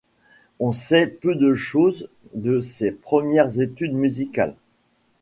On sait peu de choses de ses premières études musicales.